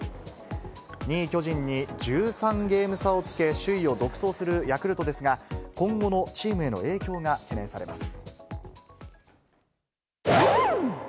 ２位巨人に１３ゲーム差をつけ、首位を独走するヤクルトですが、今後のチームへの影響が懸念されます。